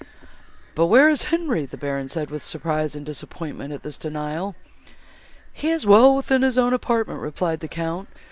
"But where is Henri?" said the Baron, with surprise and disappointment at this denial. "He is well in his own apartment," replied the Count.